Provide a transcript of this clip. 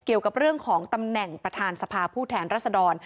เกี่ยวกับเรื่องของตำแหน่งประธานสภาผู้แทนรัศดร